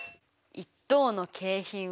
一等の景品は。